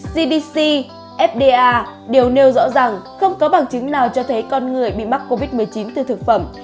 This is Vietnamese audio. gdp fda đều nêu rõ rằng không có bằng chứng nào cho thấy con người bị mắc covid một mươi chín từ thực phẩm